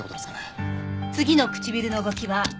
次の唇の動きは。